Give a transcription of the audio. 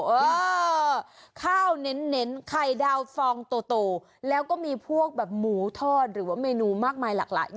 เออข้าวเน้นไข่ดาวฟองโตแล้วก็มีพวกแบบหมูทอดหรือว่าเมนูมากมายหลากหลาย